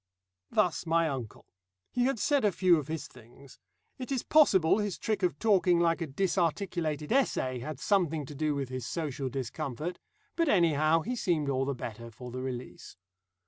Thus my uncle. He had said a few of his things. It is possible his trick of talking like a disarticulated essay had something to do with his social discomfort. But anyhow he seemed all the better for the release.